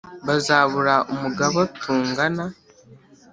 Bazabura umugaba tungana